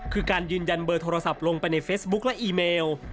คือการยืนยันเบอร์โทรศัพท์ลงไปในเฟซบุ๊คและอีเมล